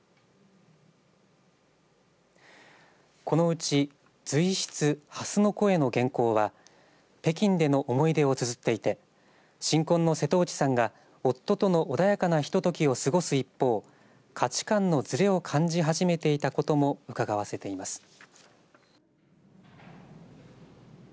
このうち随筆、蓮の声の原稿は北京での思い出をつづっていて新婚の瀬戸内さんが夫との穏やかなひとときを過ごす一方価値観のずれを感じ始めていたことも、うかがわせています。